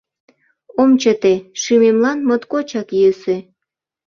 Ом чыте, шӱмемлан моткочак йӧсӧ